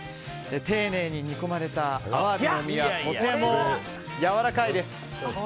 丁寧に煮込まれたアワビの身がとてもやわらかいです。